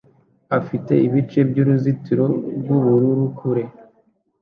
afite ibice byuruzitiro rwubururu kure